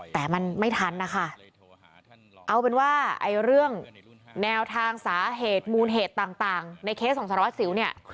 แต่มันไม่ทันนะคะเอาเป็นว่าเรื่องแนวทางสาเหตุมูลเหตุต่างในเคสของสารวัสสิวเนี่ย